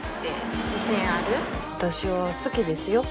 私は好きですよ。